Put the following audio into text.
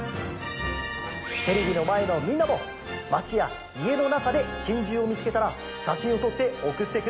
テレビのまえのみんなもまちやいえのなかでチンジューをみつけたらしゃしんをとっておくってくれ！